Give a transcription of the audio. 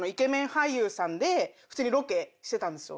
俳優さんで普通にロケしてたんですよ。